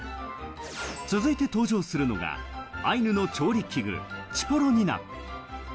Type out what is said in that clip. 続いて登場するのがアイヌの調理器具、チポロニナプ。